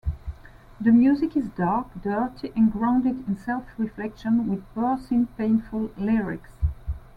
The music is dark, dirty, and grounded in self-reflection, with piercing, painful lyrics.